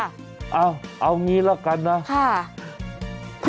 เอ้าเอาอย่างนี้แล้วกันนะค่ะ